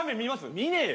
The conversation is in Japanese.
見ねえよ